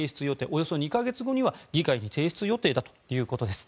およそ２か月後には議会に提出予定だということです。